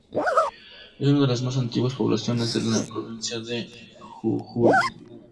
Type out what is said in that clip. Es una de las más antiguas poblaciones de la provincia de Jujuy.